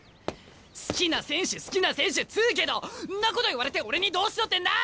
好きな選手好きな選手っつうけどんなこと言われて俺にどうしろってんだ！？